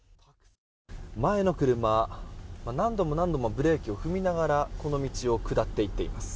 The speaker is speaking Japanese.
前の車、何度も何度もブレーキを踏みながらこの道を下っていっています。